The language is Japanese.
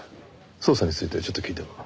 捜査についてちょっと聞いても？